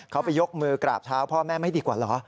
เขาไปยกมือกราบเท้าพ่อแม่ไม่ดีกว่าเหรอ